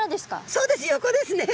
そうです横ですね。